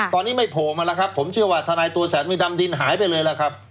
ตอนนี้ไม่โผล่มาแล้วครับผมเชื่อว่าทนายตัวแสนไม่ดำดินหายไปเลยล่ะครับ